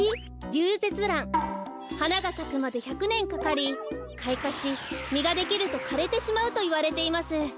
リュウゼツラン。はながさくまで１００ねんかかりかいかしみができるとかれてしまうといわれています。